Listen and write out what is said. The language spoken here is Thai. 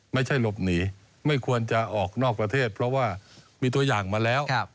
ไม่ใช่หลบหนีไม่ควรจะออกนอกประเทศเพราะว่ามีตัวอย่างมาแล้ว